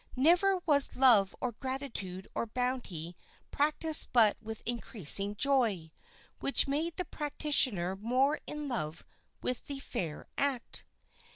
Never was love or gratitude or bounty practiced but with increasing joy, which made the practicer more in love with the fair act.